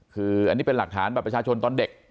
คืออันนี้เป็นหลักฐานบัตรประชาชนตอนเด็ก